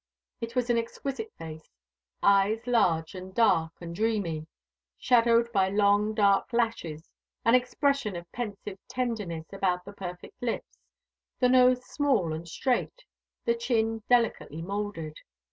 It was an exquisite face, eyes large and dark and dreamy, shadowed by long dark lashes, an expression of pensive tenderness about the perfect lips, the nose small and straight, the chin delicately moulded.